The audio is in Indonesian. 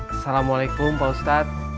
assalamualaikum pak ustad